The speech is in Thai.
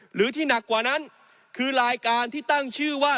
หรือที่หนักกว่านั้นคือรายการที่ตั้งชื่อว่า